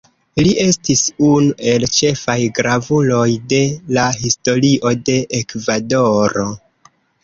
Li estis unu el ĉefaj gravuloj de la Historio de Ekvadoro.